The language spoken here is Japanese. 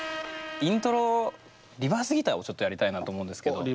イントロリバースギターをちょっとやりたいなと思うんですけど。